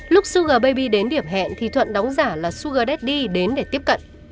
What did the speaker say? lúc sugar baby đến điểm hẹn thì thuận đóng giả là sugar daddy đến để tiếp cận